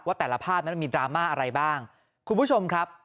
แต่ละภาพนั้นมันมีดราม่าอะไรบ้างคุณผู้ชมครับ